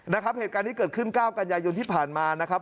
นะครับเหตุการณ์นี้เกิดขึ้น๙กันยายนที่ผ่านมานะครับ